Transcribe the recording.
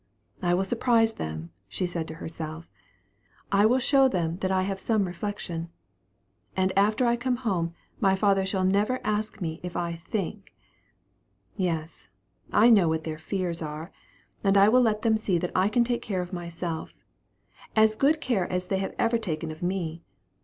I will surprise them, said she to herself; I will show them that I have some reflection; and after I come home, my father shall never ask me if I think. Yes, I know what their fears are, and I will let them see that I can take care of myself, and as good care as they have ever taken of me.